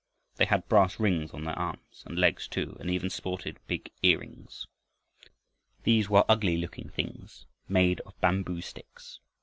They had brass rings on their arms and legs too, and even sported big earrings. These were ugly looking things made of bamboo sticks.